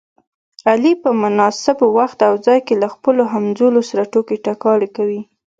علي په مناسب وخت او ځای کې له خپلو همځولو سره ټوکې ټکالې کوي.